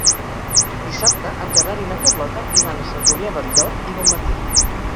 Dissabte en Gerard i na Carlota iran a Sant Julià del Llor i Bonmatí.